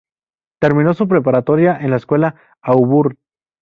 Terminó su preparatoria en la escuela Auburn.